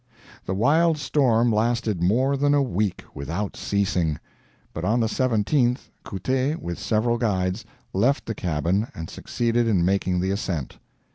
The wild storm lasted MORE THAN A WEEK, without ceasing; but on the 17th, Couttet, with several guides, left the cabin and succeeded in making the ascent.